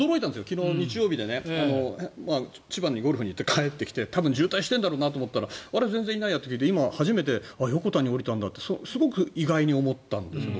昨日、日曜日で千葉にゴルフに行って帰ってきて多分、渋滞してるんだろうなと思ったら全然いないやって思って今、初めて横田に降りたんだってすごく意外に思ったんです。